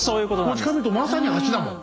こっちから見るとまさに橋だもん。